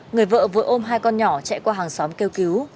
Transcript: người vợ vừa ôm hai con nhỏ chạy qua hàng xóm kêu cứu